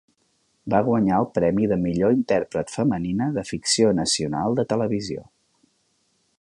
Va guanyar el premi de Millor Intèrpret Femenina de Ficció Nacional de Televisió.